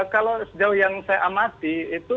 kalau sejauh yang saya amati itu